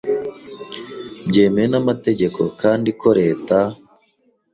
byemewe n’amategeko, kandi ko Leta